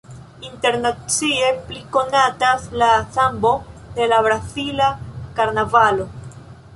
Internacie pli konatas la Sambo de la brazila karnavalo.